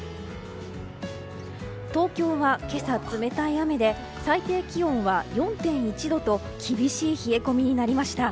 東京は今朝、冷たい雨で最低気温は４．１度と厳しい冷え込みになりました。